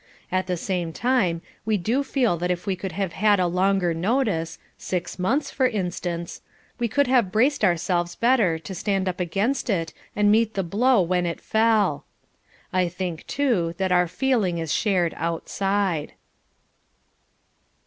At the same time we do feel that if we could have had a longer notice, six months for instance, we could have braced ourselves better to stand up against it and meet the blow when it fell. I think, too, that our feeling is shared outside.